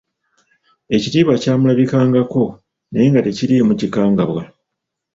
Ekitiibwa kyamulabikangako, naye nga tekiriimu kikangabwa.